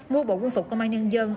mua bộ quân phục công an nhân dân